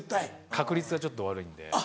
確率がちょっと悪いんで。